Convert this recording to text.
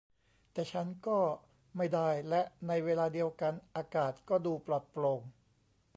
แต่ฉันก็ไม่ได้และในเวลาเดียวกันอากาศก็ดูปลอดโปร่ง